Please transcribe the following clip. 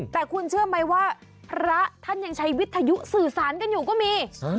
แต่คุณเชื่อไหมว่าพระท่านยังใช้วิทยุสื่อสารกันอยู่ก็มี